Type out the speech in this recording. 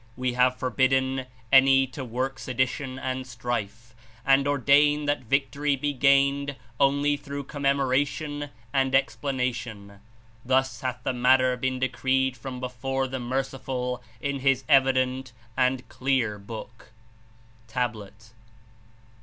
We have forbidden any to work sedition and strife, and ordain that victory be gained only through commemoration and explanation. Thus hath the matter been decreed from before the Merciful in His evident and clear Book." (Tablet.)